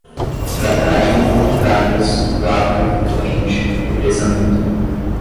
dragagem, dragas, lavra, corrente, represamento